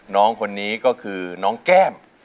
น้องคนนี้ก็คือน้องแก้ม